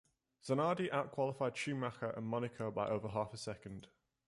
Zanardi out-qualified Schumacher at Monaco by over half a second.